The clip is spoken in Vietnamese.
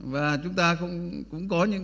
và chúng ta cũng có những